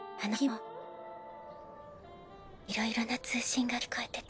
いろいろな通信が聞こえてた。